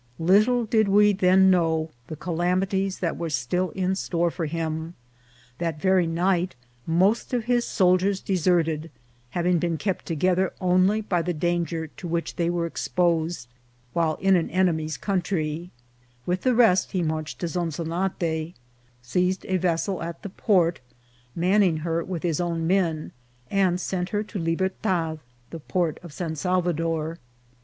Little did we then know the calamities that were still in store for him ; that very night most of his soldiers de serted, having been kept together only by the danger to which they were exposed while in an enemy's coun. END OF MORAZAN'S CAREER. 95 try. With the rest he marched to Zonzonate, seized a vessel at the port, manning her with his own men, and sent her to Libertad, the port of San Salvador.